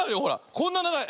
こんなながい。